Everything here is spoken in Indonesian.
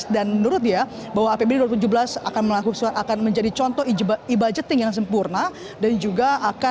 dan menurut dia bahwa apbd dua ribu tujuh belas akan menjadi contoh i budgeting yang sempurna